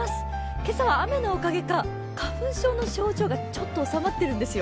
今朝は雨のおかげか花粉症の症状がちょっとおさまってるんですよ。